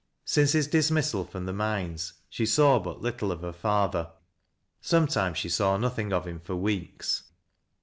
Since his dismissal from the mines, she saw but little of her father. Sometimes she saw nothing of him for weeks.